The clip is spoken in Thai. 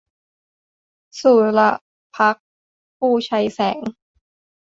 สุรภักดิ์ ภูไชยแสง